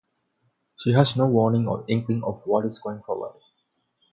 She has no warning or inkling of what is going forward.